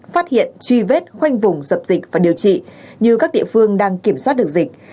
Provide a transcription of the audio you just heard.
phát hiện truy vết khoanh vùng dập dịch và điều trị như các địa phương đang kiểm soát được dịch